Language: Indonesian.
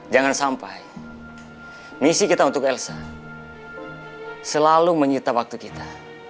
jangan sampai misi kita untuk elsa selalu menyita waktu kita